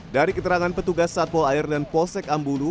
dari keterangan petugas satpol air dan polsek ambulu